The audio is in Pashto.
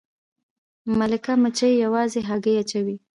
ملکه مچۍ یوازې هګۍ اچوي